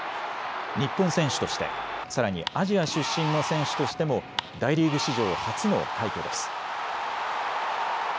日本選手として、さらにアジア出身の選手としても大リーグ史上初の快挙です。